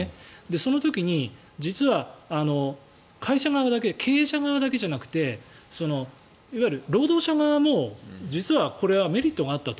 その時に実は、会社側だけ経営者側だけじゃなくて労働者側も実はこれがメリットがあったと。